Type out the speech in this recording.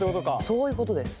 そういうことです。